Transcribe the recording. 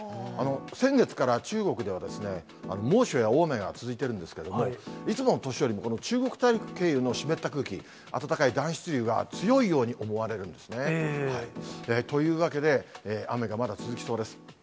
先月から中国では猛暑や大雨が続いてるんですけれども、いつもの年よりもこの中国大陸経由の湿った空気、暖かい暖湿流が強いように思われるんですね。というわけで、雨がまだ続きそうです。